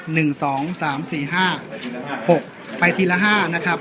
หนึ่งสองสามสี่ห้าหกไปทีละห้านะครับ